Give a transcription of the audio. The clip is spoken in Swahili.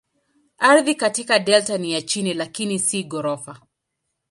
Ardhi katika delta ni ya chini lakini si ghorofa.